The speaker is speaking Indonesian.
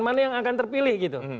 mana yang akan terpilih gitu